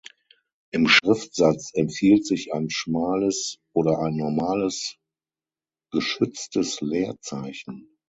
Im Schriftsatz empfiehlt sich ein schmales oder ein normales geschütztes Leerzeichen.